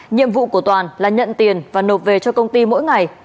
nhiệm vụ của toàn là nhận tiền và nộp về cho công ty mỗi ngày